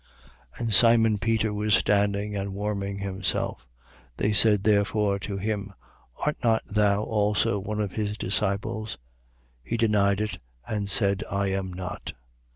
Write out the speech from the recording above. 18:25. And Simon Peter was standing and warming himself. They said therefore to him: Art not thou also one of his disciples? He denied it and said: I am not.